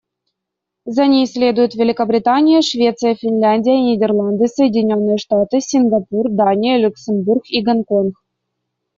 За ней следуют Великобритания, Швеция, Финляндия, Нидерланды, Соединённые Штаты, Сингапур, Дания, Люксембург и Гонконг.